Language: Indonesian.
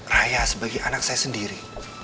saya sebagai anak saya sendiri